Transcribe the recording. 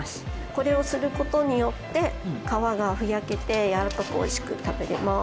これをすることによって皮がふやけて軟らかくおいしく食べれます。